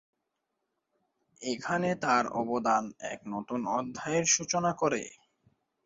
এখানে তার অবদান এক নূতন অধ্যায়ের সূচনা করে।